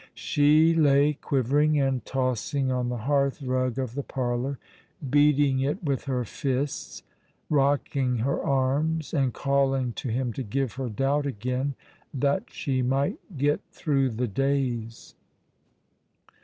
She lay quivering and tossing on the hearth rug of the parlour, beating it with her fists, rocking her arms, and calling to him to give her doubt again, that she might get through the days.